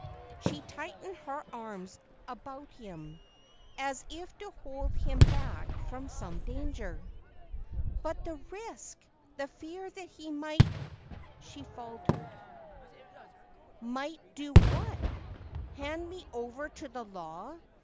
336 Just as I A m. She tightened her arms about him, as if to hold him hack from some danger. 'But the risk — the fear that he might ' she faltered. •Might do what'?' Hand me over to the law